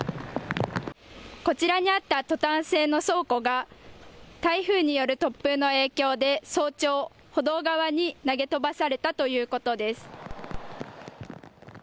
こちらにあったトタン製の倉庫が台風による突風の影響で早朝、歩道側に投げ飛ばされたということです。